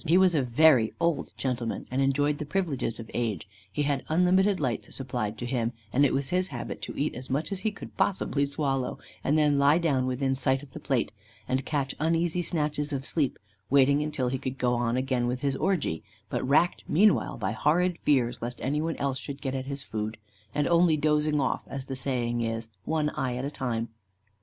As he was a very old gentleman, and enjoyed the privileges of age, he had unlimited lights supplied to him; and it was his habit to eat as much as he could possibly swallow, and then lie down within sight of the plate, and catch uneasy snatches of sleep, waiting until he could go on again with his orgie, but racked meanwhile by horrid fears lest anyone else should get at his food, and only dozing off, as the saying is, one eye at a time.